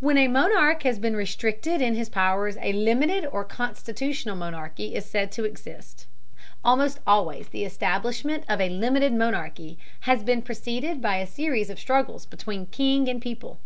When a monarch has been restricted in his powers a limited or constitutional monarchy is said to exist. Almost always the establishment of a limited monarchy has been preceded by a series of struggles between king and people.